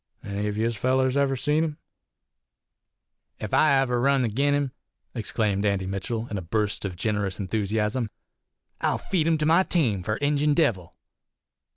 Any of yez fellers ever seen him?" "Ef ever I runs agin him," exclaimed Andy Mitchell, in a burst of generous enthusiasm, "I'll feed him to my team fur Injun Devil."